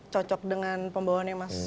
cocok dengan pembawaannya mas